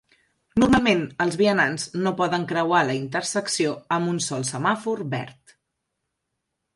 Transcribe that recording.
Normalment, els vianants no poden creuar la intersecció amb un sol semàfor verd.